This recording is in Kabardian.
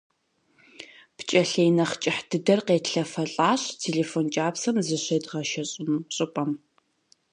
ПкӀэлъей нэхъ кӀыхь дыдэр къетлъэфэлӀащ телефон кӀапсэм зыщедгъэшэщӀыну щӀыпӀэм.